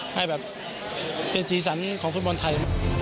ให้แบบเป็นสีสันของฟุตบอลไทย